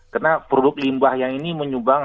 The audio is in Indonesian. karena produk limbah yang ini menyumbang